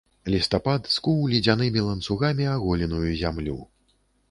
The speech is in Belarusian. Лістапад скуў ледзянымі ланцугамі аголеную зямлю.